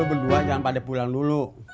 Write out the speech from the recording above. berdua jangan pada pulang dulu